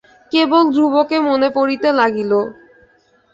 কেবল ধ্রুবকে মনে পড়িতে লাগিল।